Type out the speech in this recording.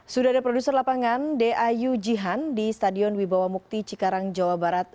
sudah ada produser lapangan dayu jihan di stadion wibawa mukti cikarang jawa barat